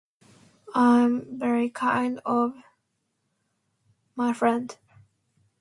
I'm very kind of my friend.